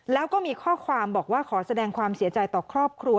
แล้วก็มีข้อความบอกว่าขอแสดงความเสียใจต่อครอบครัว